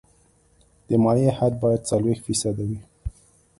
د مایع حد باید څلوېښت فیصده وي